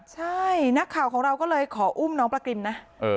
ใช่นักข่าวของเราก็เลยขออุ้มน้องประกริมนะ